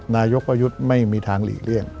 นายกประยุทธ์ไม่มีทางหลีกเลี่ยง